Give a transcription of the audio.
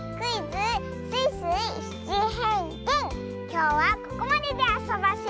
きょうはここまでであそばせ。